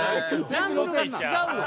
ジャンルが違うのよ。